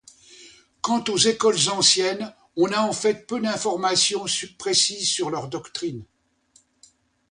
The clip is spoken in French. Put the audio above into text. Quant aux écoles anciennes, on a en fait peu d'informations précises sur leurs doctrines.